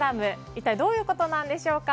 一体どういうことなんでしょうか。